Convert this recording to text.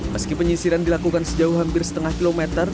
meski penyisiran dilakukan sejauh hampir setengah kilometer